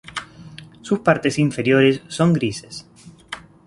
Sus partes inferiores son grises.